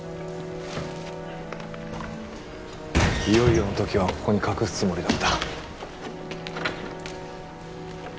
いよいよの時はここに隠すつもりだった。